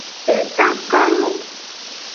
E dan kalon.